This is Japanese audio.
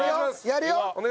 やるよ？